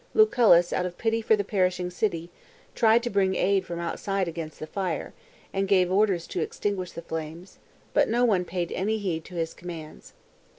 Lucullus, out of pity for the perishing 'city, tried to bring aid from out side against the fire, and. gave orders to extinguish the flames, but no' one paid: any heed. to his commands.